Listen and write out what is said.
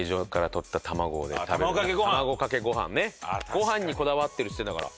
ご飯にこだわってるって言ってたから。